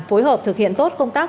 phối hợp thực hiện tốt công tác